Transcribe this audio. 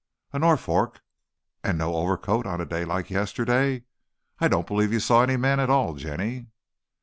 "A Norfolk, and no overcoat on a day like yesterday! I don't believe you saw any man at all, Jenny!"